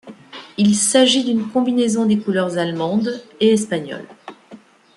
Il s'agit d'une combinaison des couleurs allemandes et espagnoles.